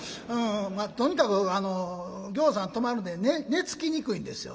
まあとにかくぎょうさん止まるんで寝つきにくいんですよね。